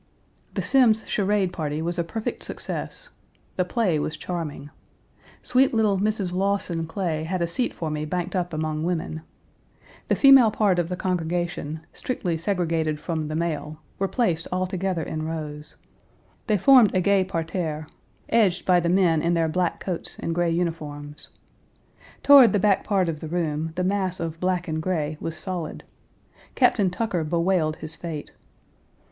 The Semmes charade party was a perfect success. The play was charming. Sweet little Mrs. Lawson Clay had a seat for me banked up among women. The female part of the congregation, strictly segregated from the male, were placed all together in rows. They formed a gay parterre, edged by the men in their black coats and gray uniforms. Toward the back part of the room, the mass of black and gray was solid. Captain Tucker bewailed his fate.